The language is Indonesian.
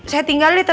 liat dia kayak apa